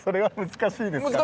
難しいですか？